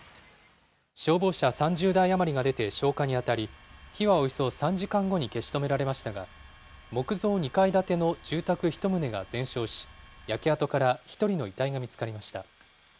消防車３０台余りが出て消火に当たり、火はおよそ３時間後に消し止められましたが、木造２階建ての住宅１棟が全焼し、焼け跡から１人の遺体が見つかりました。